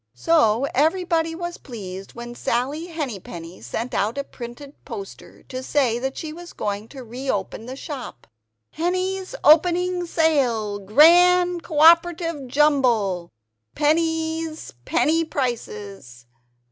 So everybody was pleased when Sally Henny Penny sent out a printed poster to say that she was going to reopen the shop "Henny's Opening Sale! Grand cooperative Jumble! Penny's penny prices!